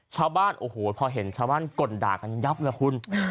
ชาวบ้านโอ้โหพอเห็นชาวบ้านก่นด่ากันยับเลยคุณ